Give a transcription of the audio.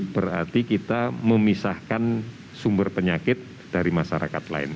berarti kita memisahkan sumber penyakit dari masyarakat lain